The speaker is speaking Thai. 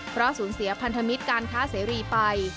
เพราะสูญเสียพันธมิตรการค้าเสรีไป